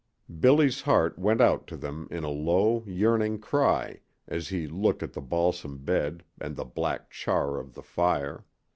Billy's heart went out to them in a low, yearning cry as he looked at the balsam bed and the black char of the fire.